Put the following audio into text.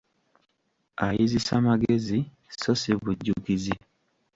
Ayizisa magezi, so ssi bujjukizi.